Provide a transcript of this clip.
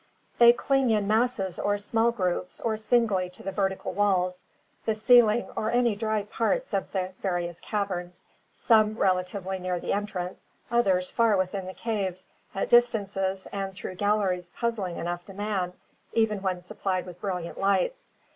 They cling in masses or small groups or singly to the vertical walls, the ceiling or any dry parts of the various caverns, some relatively near the entrance, others far within the caves at distances and through galleries puzzling enough to man even when supplied with brilliant lights.